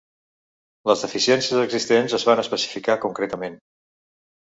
Les deficiències existents es van especificar concretament.